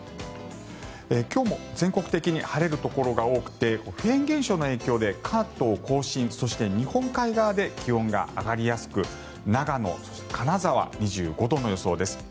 今日も全国的に晴れるところが多くてフェーン現象の影響で関東・甲信そして日本海側で気温が上がりやすく長野、金沢、２５度の予想です。